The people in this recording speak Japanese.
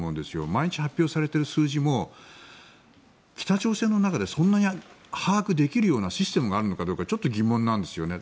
毎日、発表されてる数字も北朝鮮の中でそんなに把握できるようなシステムがあるのかどうかちょっと疑問なんですよね。